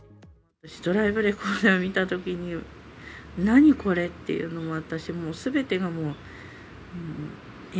ドライブレコーダー見たときに、何これ？っていうのもあったし、もうすべてが、もう、え？